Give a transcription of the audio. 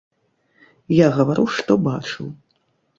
Я гавару, што бачыў.